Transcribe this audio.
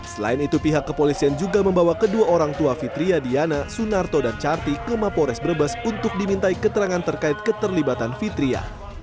selain itu pihak kepolisian juga membawa kedua orang tua fitriya diana sunarto dan charti ke mapores brebes untuk dimintai keterangan terkait keterlibatan fitria